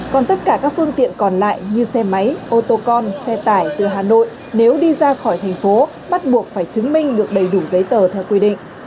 còn tất cả các phương tiện còn lại như xe máy ô tô con xe tải từ hà nội nếu đi ra khỏi thành phố bắt buộc phải chứng minh được đầy đủ giấy tờ theo quy định